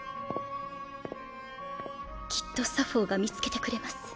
きっとサフォーが見つけてくれます